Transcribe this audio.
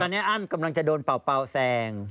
แต่ตอนนี้อั้มกำลังจะโดนเปราะเปร่าแซง